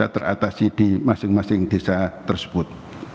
teratasi di masing masing desa tersebut